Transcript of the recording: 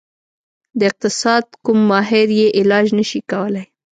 د اقتصاد کوم ماهر یې علاج نشي کولی.